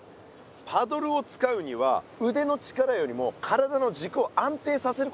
パドルを使うにはうでの力よりも体のじくを安定させることの方が大事なの。